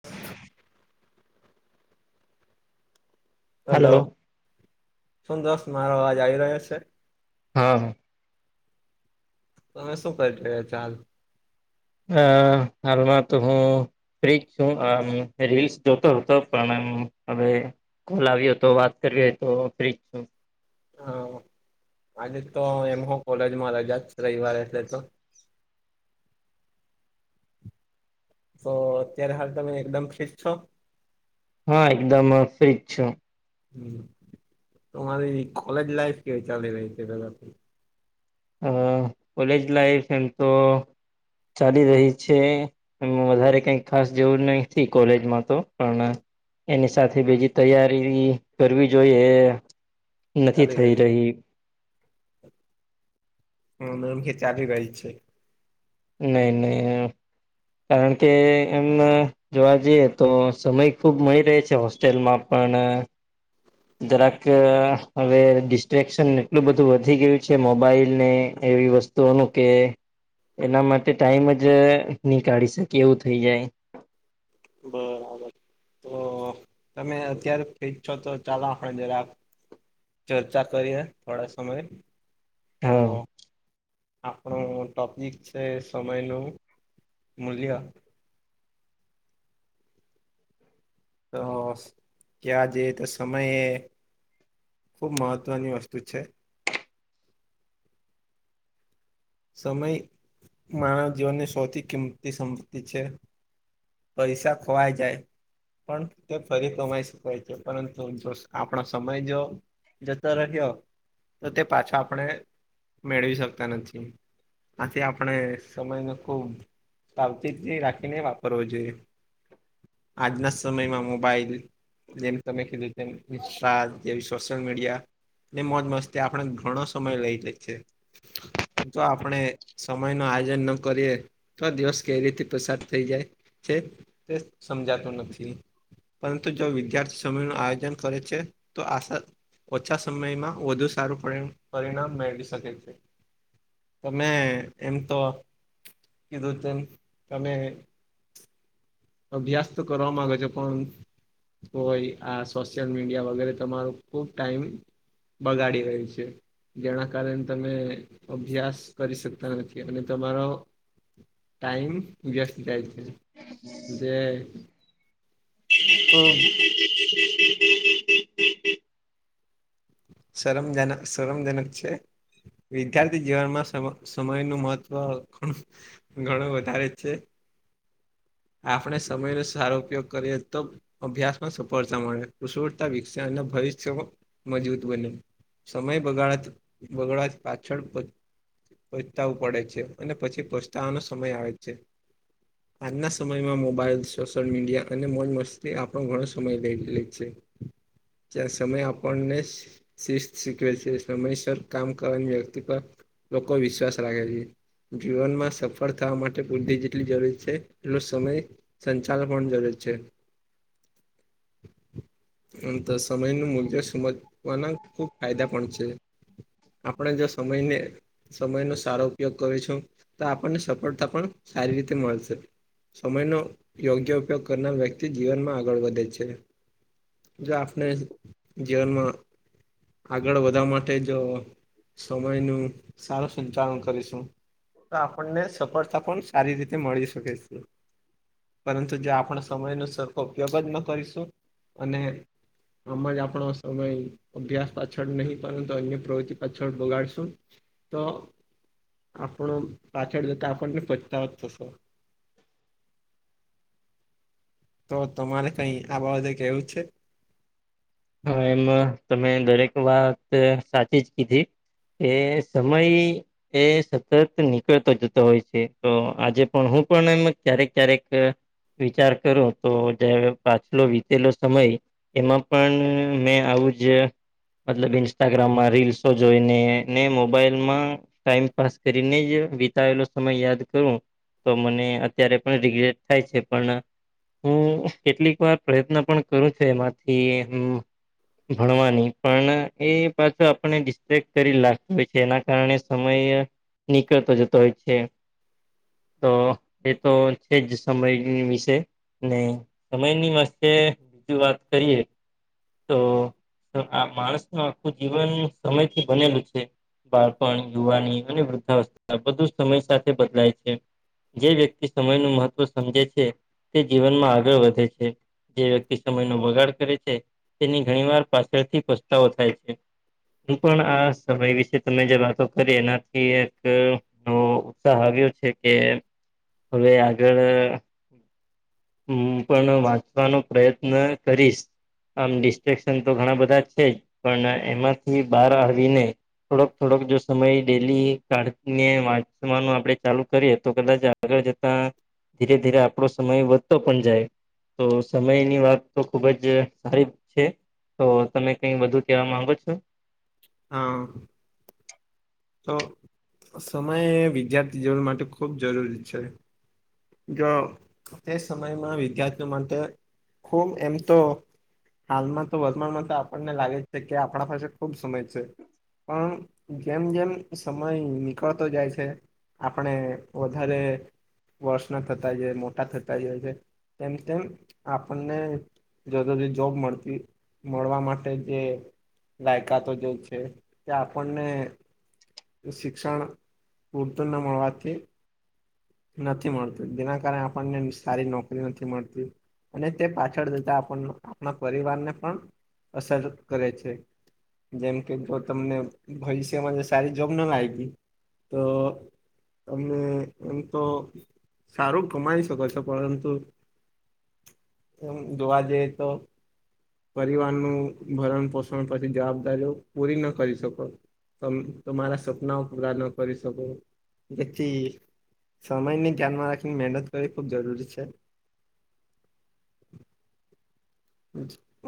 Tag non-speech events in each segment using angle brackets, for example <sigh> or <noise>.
<inaudible> Hello, શુ દોસ્ત મારો આવાજ આવી રહ્યો છે. હા. તમે શું કરી રહ્યાં <unintelligible> આ હાલમાં તું હું રિલ્સ આ આમ રિલ્સ જોતો હતો પણ હવે કોલ આવ્યો તો વાત કરવી હોય તો ફ્રી જ છું. હા આજે તો એમ હો કોલેજમાં રજા જ રવિવારે એટલે તો તો અત્યારે હાલ તમે એકદમ ફ્રી છો? હા એકદમ ફ્રી જ છું. હમ્મ તમારી કોલેજ લાઈફ કેવી ચાલી રહી છે પેલા તો. હમ્મ, કોલેજ લાઈફ એમ તો ચાલી રહી છે. એમ વધારે કઈ ખાસ જેવું નહી કોલેજમાં તો પણ એની સાથે બીજી તૈયારી કરવી જોઈએ નથી થઈ રહી. મતલબ કે ચાલી રહી છે. નહી નહી કારણ કે એમ. જોવા જઈએ તો સમય ખુબ મળી રહે છે હોસ્ટેલમાં પણ. જરાક હવે ડિસ્ટ્રેક્શન એટલું બધું વધી ગયું છે મોબાઈલને. એવી વસ્તુઓનું કે એના માટે ટાઈમ જ ની કાઢી શકે એવું થઈ જાય. બરાબર. તો તમે અત્યારે ફ્રી છો, તો ચાલો આપણે જરા ચર્ચા કરીએ થોડા સમય તો હા આપણો ટોપિક છે, સમય નું મૂલ્ય. તો ક્યા જે તો સમયે ખૂબ મહત્ત્વની વસ્તુ છે. સમય માનવ જીવનની સૌથી કિંમતી સંપતિ છે. પૈસા ખોવાય જાય પણ તે ફરી કમાઈ શકાય છે, પરંતુ જો આપણો સમય જો જતો રહ્યો તો તે પાછો આપણે મેળવી શકતા નથી. આથી આપણે સમયને ખુબ સાવચેતી રાખીને વાપરવો જોઈએ. આજના સમયમાં મોબાઈલ ગેમ તમે ખલ. તેમ ઇન્સ્ટા જેવી સોશિયલ મીડિયા એ મોજ મસ્તી આપણે ઘણો સમય લઈ લે છે. જો આપણે સમય ન આયોજન ન કરીએ. તો આ દિવસ કવી રીતે પસાર થઈ જાય છે તે સમજાતું નથી. પરંતુ જો વિદ્યાર્થી સમયનું આયોજન કરે છે તો આશા. ઓછા સમયમાં વધુ સારું પર પરિણામ મેળવી શકે છે. તમે એમ તો કીધું તેમ તમે. અભ્યાસ તો કરવા મામાંગે છે પણ. હોય આ સોશિયલ મીડિયા વગેરે તમારો ખુબ ટાઈમ. બગાડી રહી છે. જેના કારણે તમે અભ્યાસ કરી શકતા નથી અને તમારો. ટાઈમ જસ્તી જાય છે. હમ. બે. <inaudible> સરરમ જન શરમ જન છે. વિદ્યાર્થી જીવનમાં સમ સમય નું મહત્વ ઘણું વધારે છે. આપણે સમયનો સારો ઉપયોગ કરીએ તો. અભ્યાસમાં સફળતા મળે કુશળતા વિક અને ભવિષ્ય મજબૂત બને. સમય બગાડત બગડત પાછળ. પહચતાું પડે છે અને પછી પહચતાવાનો સમય આવે છે આના. સમયમાં મોબાઈલ સોશિયલ મીડિયા અને મોજ મસ્તી આપણો ઘણો સમય લઈ લે છે. ત્યાં સમયે આપણને. શિ શીિકવેશ્વર કામ કરવાની વ્યક્તિ પર લોકો વિશ્વાસ રાખે છે જીવનમાં સફળ થવા માટે બુદ્ધિ જેટલી જરૂરી છે. એટલો સમય સંચાલ પણ જરૂર છે. અંત સમયનું મૂલ્ય સમજવાના ખુબ ફાયદા પણ છે. આપણે જો સમયને. સમયનોો સારો ઉપયોગ કરું છું તો આપણને સફળતા પણ સારી રીતે મળશે. સમયનો યોગ્ય ઉપયોગ કરનાર વ્યક્તિ જીવનમાં આગળ વધે છે. જો આપને જીવનમાં. આગળ વધવા માટે જ સમયનું સારું સંચાલન કરીશું. તો આપણને સફળતા પણ સારી રીતે મળી શકે છે. પરંતુ જે આપણે સમય ન સરખો ઉપયોગ જ ન કરીશું અને. ઓમજ આપણો સમય. અભ્યાસ પાછળ નહીં પરંતુ અન્ય પ્રવૃત્તિ પાછળ બગાડશું તો. આપણો પાછળ જતા આપણને પછતાવો જ થશે. <inaudible> તો તમારે કઈ આ બાબતે કેવું છે. હા એમ તમે દરેક વાત સાચી જ કીધી. એ સમય એ સતત નીકળતો જતો હોય છે તો આજે પણ હું પણ એમ ક્યારેક ક્યારેક. વિચાર કરું તો જે પાછલો વીતેલો સમય એમાં. પણ મેં આવું જ. મતલબ ઇન્સ્ટાગ્રામમાં રીલ્સો જોઈને ને મોબાઈલમાં. ટાઈમ પાસ કરીને જ વિતાયેલો સમય યાદ કરું. તો મને અત્યારે પણ રિગ્રેટ થાય છે પણ. હું કેટલીક વાર પ્રયત્ન પણ કરું છું એમાંથી હ. ભણવાની પણ એ પાછ આપને ડિસ્ટક કરી લાગતું હોય છે એના. કારણે સમય નીકળતો જતો હોય છે. તો એ તો છે જ સમયની વિશે. ને સમયની વસ્તે બીજી વાત કરીએ. તો તો આ માણસનું આખું જીવન સમયથી બનેલું છે. બાળપણ, યુવાની અને વૃદ્ધાવસ્થા બધું સમય સાથે બદલાય છે. જે વ્યક્તિ સમયનું મહત્વ સમજે છે તે જીવનમાં આગળ વધે છે. જે વ્યક્તિ સમયનો બગાડ કરે છે, તેની ઘણી વાર પાછળથી પસ્તાવો થાય છે. હું પણ આ સમય વિશે તમે જે વાતો કરી એનાથી એક. નો ઉત્સાહ આવ્યો છે કે હવે આગળ. હું પણ વાંચવાનો પ્રયત્ન કરીશ. આમ ડિસ્ટ્રેક્શન તો ઘણા બધા છે જ પણ એમાંથી બહાર આવીને. થોડોક થોડોક જો સમય ડેલી કાઢને વાચવાનું આપડે ચાલુ કરીએ તો કદાચ આ. આગળ જતા ધીરે ધીરે આપણો સમય વધતો પણ જાય. તો સમયની વાત તો ખૂબ જ સારી જ છે. તો તમે કઈ વધુ કેવા માંગો છો? હા. તો સમય વિદ્યાર્થી જરૂર માટે ખૂબ જરૂરી છે. જો તે સમયમાં વિદ્યાર્થીઓ માટે ખૂબ એમ તો. હાલમાં તો વર્તમાનમાં તો આપણને લાગે જ છે કે આપણા પાસે ખૂબ સમય છે. પણ જેમ જેમ. એ સમય નીકળતો જાય છે આપણે વધારે. વર્ષના થતા જઈએ, મોટા થતા જઇએ છે તેમ તેમ આપણને. જરૂરી જોબ મળતી મળવા માટે જે. લાયકાતો જે છે તે આપણને. શિક્ષણ પૂરતું ન મળવાથી. નથી મળતું. જેના કારણે આપણને સારી નોકરી નથી મળતી. અને તે પાછળ જતા આપણન આપણા પરિવારને પણ અસર કરે છે. જેમ કે જો તમને ભવિષ્યમાં સારી જોબ ના લાગી તો. તમે એમ તો સારું કમાઈ શકો છો પરંતુ. એમ જોવા જઈએ તો. પરિવારનું ભરણ પોષણ પછી જવાબદારીઓ પૂરી ન કરી શકો. તમ તમારા સપનાઓ પૂરા ન કરી શકો જેથી. સમયને ધ્યાનમાં રાખીને મહેનત કરવી ખૂબ જરૂરી છે.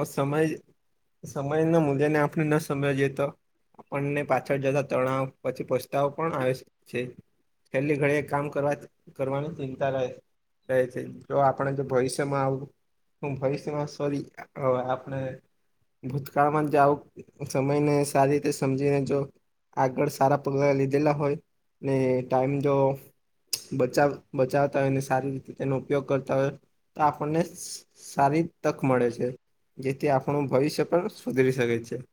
અ સમય સમયના મૂલ્યને આપણે ન સમજીએ તો આપણને પાછળ જતા તણાવ પછી પસ્તાવ પણ આવે છે. છેલ્લી ઘડી એક કામ કરવા કરવાની ચિંતા રહે. જ છે જો આપણા જો ભૈષમ આવ હું ભયસમ હ આપણે. ભૂતકાળમાં જ આવું સમયને સારી રીતે સમજીને જો આગળ સારા પગલા લીધેલા હોય ને ટાઈમ જો બચાવ બચાવતા હોયને સારી રીતે તેનો ઉપયોગ કરતા હોય. તો આપણને સારી તક મળે છે. જેથી આપણું ભવિષ્ય પણ સુધરી શકે છે.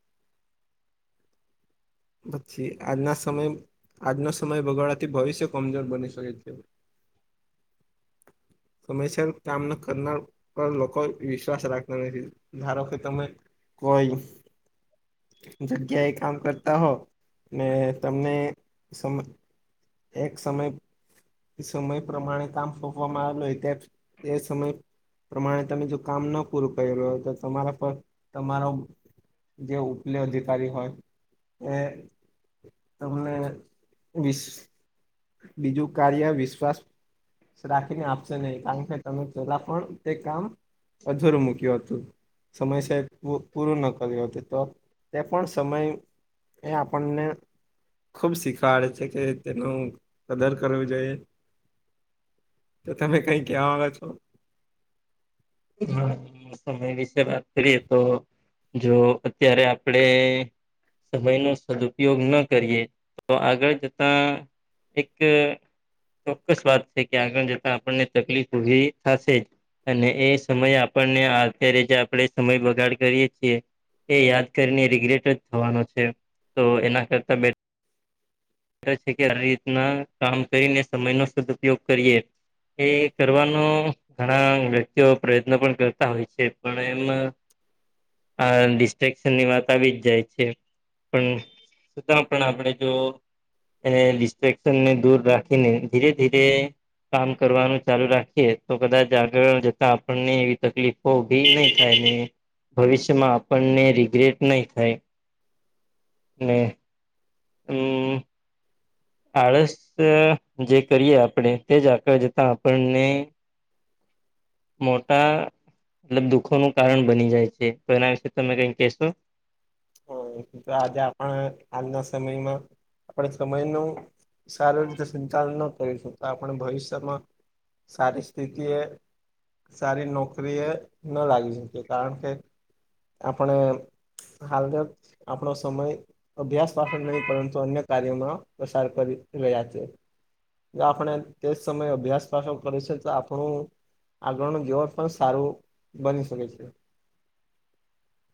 <inaudible> પછી આજના સમય આજનો સમય બગાડવાથી ભવિષ્ય કમજોર બની શકે છે. સમયસર કામ ન કરનાર પર લોકોએ વિશ્વાસ રાખતા નથી. ધારો કે તમે કોઈ જગ્યાએ કામ કરતા હો ને તમને સમય એક સમય સમય પ્રમાણે કામ સોપવામાં આવેલું હોય તે તે સમય પ્રમાણે તમે જો કામ ન પૂરું કરેલું હોય તો તમારા પર તમારો જે ઉપલે અધિકારી હોય. એ તમને વિશ બીજું કાર્ય વિશ્વાસ રાખીને આપશે નહીં. કારણ કે તમે પોલા પણ તે કામ અધર મૂકત હતું. સમયસ પૂરોું ન કર્યું. તો તે પણ સમય એ આપણને ખુબ શીખાડે છે કે તેનું કદર કરવી જોઈએ. તો તમે કઈ ક્યાં વાળા છો? હા સમય વિશે વાત કરીએ તો જો અત્યારે આપડે સમય નો સદુપયોગ ન કરીએ તો આગળ જતા એક ચોક્કસ વાત છે કે આગળ જતા આપણને તકલીફ ઉઊભી થશે અને એ સમય આપણને અત્યારે જે આપણે સમય બગાડ કરીએ છીએ. એ યાદ કરીને રિગ્રેટ જ થવાનો છે. તો એના કરતા બે છે કે આ રીતના કામ કરીને સમય નો સદઉપયોગ કરીએ. એ કરવાનું ઘણા વ્યક્તિઓ પ્રયત્ન પણ કરતા હોય છે. પણ એમ આ ડિસ્ટ્રક્શન ની વાત આવી જ જાય છે. પણ છતાં પણ આપણે જો એ ડિસ્ટ્રેક્શનને દૂર રાખીને ધીરે ધીરે કામ કરવાનું ચાલુ રાખીએ તો કદાચ આગળ જતા આપણને એવી તકલીફ ભી નહી થાયને ભવિષ્યમાં આપણને રિગ્રેટ નહી થાય. અને હ. આળસ જે કરીએ આપણે તે જ આગળ જતા આપણને મોટા મતલબ દુઃખો નું કારણ બની જાય છે. તો એના વિશે તમે કઈ કહેશો? હા તો આજે આપણ હાલના સમયમાં આપણે સમય ન સારી રીતે સંિચાલ ન કરી શકતા આપણે ભવિષ્યમાં. સારી સ્થિતિ એ સારી નોકરી એ ન લાગી શકીએ કારણ કે આપણે. હાલના આપણો સમય. અભ્યાસ પાઠ નહીં પરંતુ અન્ય કાર્યોમાં પસાર કરી રહ્યા છે. જો આપણે તે જ સમયે અભ્યાસ પાછો કર છે તો આપણું આગળનું જવ પણ સારું બની શકે છે.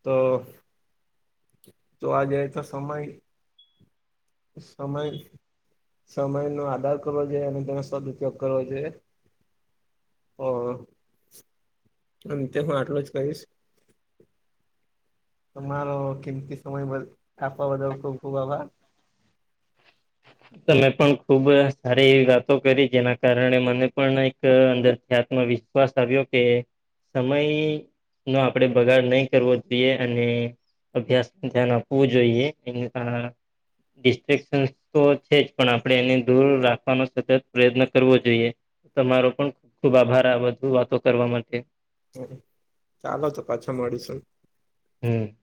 તો તો આ જાય તો સમય સમય સમયનોો આધાર કરવો જોઈએ અને તેનો સદઉપયોગ કરવો જોઈએ. હ. અમ તે હું આટલું જ કહીશ. તમારો કેમતી સમય બ આપપવા બદલ ખબ ખૂબ આભાર. તમે પણ ખુબ સારી એવી વાતો કરી જેના કારણે મને પણ એક અંદર ખ્યાત્મ વિશ. વિશ્વાસ આવ્યો કે સમય નો આપણે બગાડ નહી કરવો જોઈએ અને. અભ્યાસ ધ્યાન આપવું જોઈએ એ ડિસ્ટશ તો. છે જ પણ આપણે એને દૂર રાખવાનો સતત પ્રયત્ન કરવો જોઈએ. તમારો પણબ ખુબ આભાર આ બધું વાતો કરવા માટે. હ ચાલો તો પાછા મળીશું. હમ.